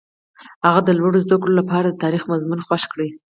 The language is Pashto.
هغه د لوړو زده کړو لپاره د تاریخ مضمون خوښ کړ.